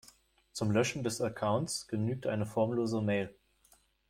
Zum Löschen des Accounts genügt eine formlose Mail.